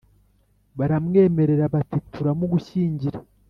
Baramwemerera bati: "Tuzamugushyingira"